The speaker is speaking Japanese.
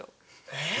・えっ？